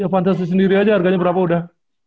fantasi sendiri aja harganya berapa udah